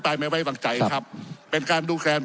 ขอประท้วงครับขอประท้วงครับขอประท้วงครับขอประท้วงครับ